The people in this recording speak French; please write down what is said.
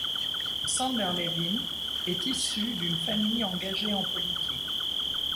Sander Levin est issu d'une famille engagée en politique.